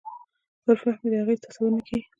پر فهم یې د اغېز تصور نه کېږي.